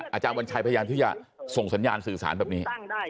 อาจารย์วัญชัยพยายามที่จะส่งสัญญาณสื่อสารแบบนี้